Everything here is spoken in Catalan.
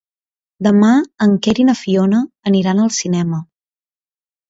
Demà en Quer i na Fiona aniran al cinema.